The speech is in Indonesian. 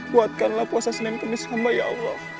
buatkanlah kuasa senen kemis hamba ya allah